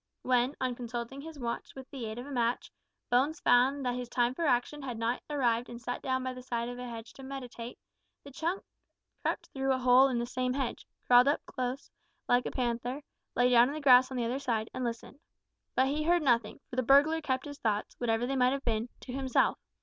When, on consulting his watch, with the aid of a match, Bones found that his time for action had not arrived and sat down by the side of a hedge to meditate, the chunk crept through a hole in the same hedge, crawled close up like a panther, lay down in the grass on the other side, and listened. But he heard nothing, for the burglar kept his thoughts, whatever they might have been, to himself.